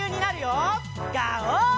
ガオー！